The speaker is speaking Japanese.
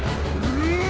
うわ！